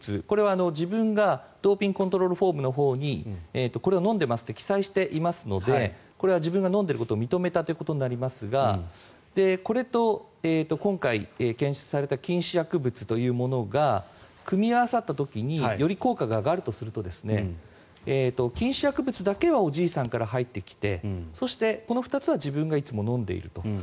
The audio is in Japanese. これは自分がドーピングコントロールフォームのほうにこれを飲んでますと記載をしていますのでこれは自分が飲んでいることを認めたということになりますがこれと今回検出された禁止薬物というものが組み合わさった時により効果が上がるとすると禁止薬物だけはおじいさんから入ってきてそしてこの２つは自分がいつも飲んでいると。